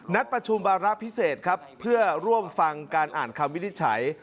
ประชุมวาระพิเศษครับเพื่อร่วมฟังการอ่านคำวินิจฉัย